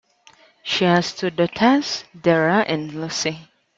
She has two daughters, Deragh and Lucy.